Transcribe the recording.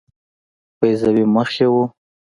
بیضوي مخ یې وو.